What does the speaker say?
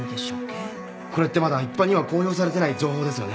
これってまだ一般には公表されてない情報ですよね？